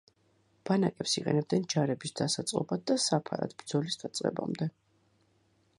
ბანაკებს იყენებდნენ ჯარების დასაწყობად და საფარად ბრძოლის დაწყებამდე.